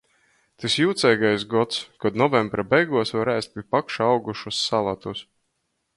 Tys jūceigais gods, kod novembra beiguos var ēst pi pakša augušus salatus.